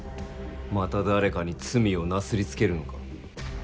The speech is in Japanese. また誰かに罪をなすりつけるのか。